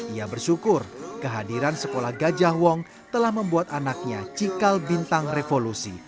ia bersyukur kehadiran sekolah gajah wong telah membuat anaknya cikal bintang revolusi